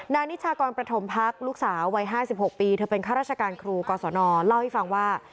นายนิจกรปฐมพักลูกสาววัย๕๖ปีเธอเป็นค่าราชการครูกท้วสนเล่าให้ฟังว่า